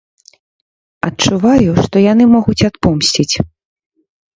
Адчуваю, што яны могуць адпомсціць.